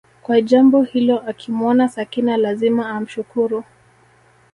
kwa jambo hilo akimwona Sakina lazima amshukuru